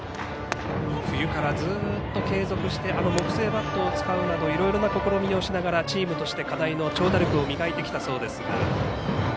冬からずっと継続して木製バットを使うなどいろいろな試みをしながらチームとして課題の長打力を磨いてきたそうですが。